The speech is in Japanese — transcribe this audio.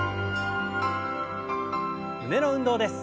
胸の運動です。